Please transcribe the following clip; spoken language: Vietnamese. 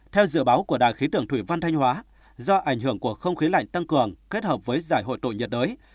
theo dự báo của đài khí tượng thủy văn thanh hóa do ảnh hưởng của không khí lạnh tăng cường kết hợp với giải hội tội nhiệt đới